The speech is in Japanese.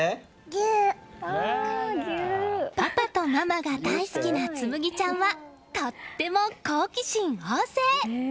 パパとママが大好きな紬ちゃんはとっても好奇心旺盛。